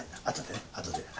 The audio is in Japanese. あとでねあとで。